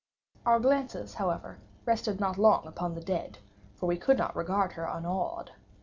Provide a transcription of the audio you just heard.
Our glances, however, rested not long upon the dead—for we could not regard her unawed.